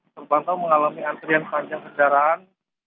terpantau mengalami antrian panjang kendaraan